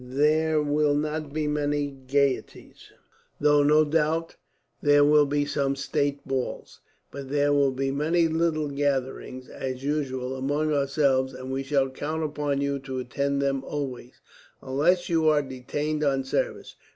There will not be many gaieties, though no doubt there will be some state balls; but there will be many little gatherings, as usual, among ourselves, and we shall count upon you to attend them always, unless you are detained on service.